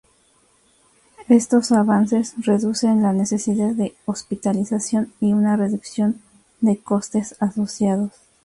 Estos avances reducen la necesidad de hospitalización y una reducción de costes asociados.